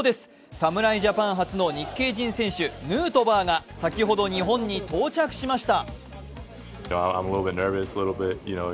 侍ジャパン初の日系人選手ヌートバーが先ほど日本に到着しました。